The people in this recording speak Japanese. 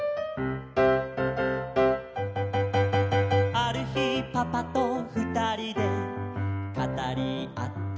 「ある日パパとふたりで語りあったさ」